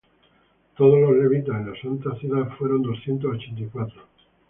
Todos los Levitas en la santa ciudad fueron doscientos ochenta y cuatro.